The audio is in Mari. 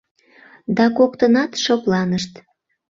Да коктынат шыпланышт.